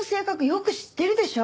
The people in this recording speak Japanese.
よく知ってるでしょ？